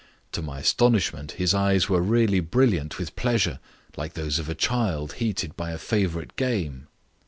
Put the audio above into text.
To my astonishment his eyes were really brilliant with pleasure, like those of a child heated by a favourite game.